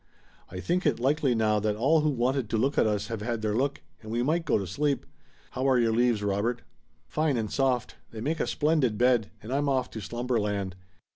I think it likely now that all who wanted to look at us have had their look, and we might go to sleep. How are your leaves, Robert?" "Fine and soft. They make a splendid bed, and I'm off to slumberland."